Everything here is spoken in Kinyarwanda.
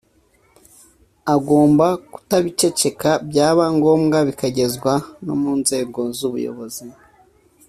agomba kutabiceceka; byaba ngombwa bikagezwa no mu nzego z’ubuyobozi